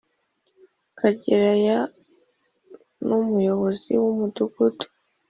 Karegeya numuyobozi wumudugudu